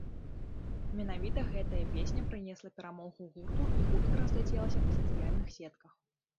Менавіта гэтая песня прынесла перамогу гурту і хутка разляцелася па сацыяльных сетках.